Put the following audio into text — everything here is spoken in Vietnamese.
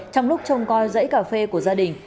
trong lúc trông coi dãy cà phê của gia đình